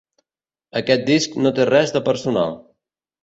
Aquest disc no té res de personal.